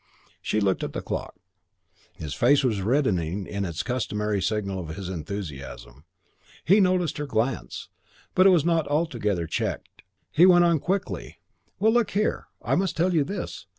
She looked at the clock. His face was reddening in its customary signal of his enthusiasm. He noticed her glance, but was not altogether checked. He went on quickly, "Well, look here. I must tell you this.